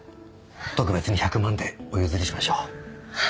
特別に１００万でお譲りしましょう。